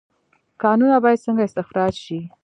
کانونه باید څنګه استخراج شي؟